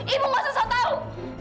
ibu gak usah tahu